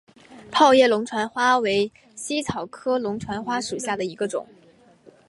泡叶龙船花为茜草科龙船花属下的一个种。